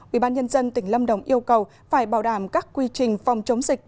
ubnd tỉnh lâm đồng yêu cầu phải bảo đảm các quy trình phòng chống dịch